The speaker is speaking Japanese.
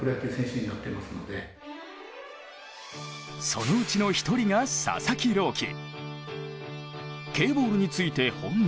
そのうちの１人が佐々木朗希。